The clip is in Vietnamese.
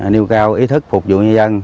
nêu cao ý thức phục vụ nhân dân